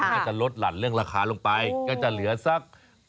ก็จะลดหลั่นเรื่องราคาลงไปก็จะเหลือสัก